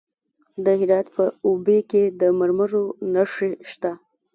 د هرات په اوبې کې د مرمرو نښې شته.